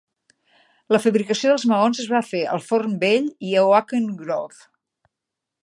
La fabricació de maons es va fer al Forn Vell i a Oakengrove.